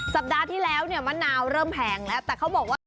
สัปดาห์ที่แล้วเนี่ยมะนาวเริ่มแพงแล้วแต่เขาบอกว่า